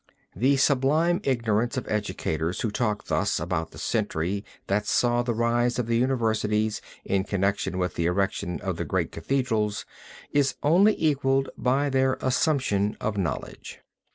The sublime ignorance of educators who talk thus about the century that saw the rise of the universities in connection with the erection of the great Cathedrals, is only equaled by their assumption of knowledge.